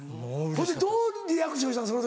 ほんでどうリアクションしたの？